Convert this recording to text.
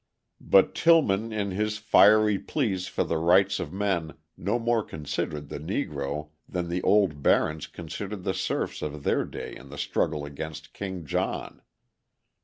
But Tillman in his fiery pleas for the rights of men no more considered the Negro than the old barons considered the serfs of their day in the struggle against King John.